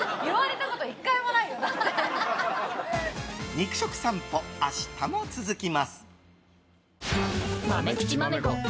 肉食さんぽ、明日も続きます。